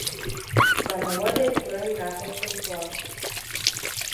Становой дек пурен, рапортым пуа: